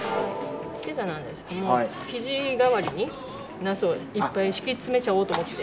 ピザなんですけども生地代わりになすをいっぱい敷き詰めちゃおうと思って。